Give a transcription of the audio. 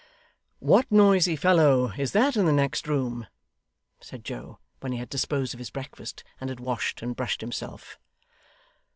'What noisy fellow is that in the next room?' said Joe, when he had disposed of his breakfast, and had washed and brushed himself.